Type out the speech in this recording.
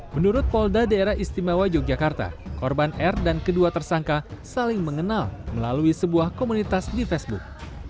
menurut polda daerah istimewa yogyakarta korban r dan kedua tersangka saling mengenal melalui sebuah komunitas di facebook